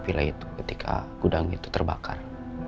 pilai itu ketika gudang itu terbakar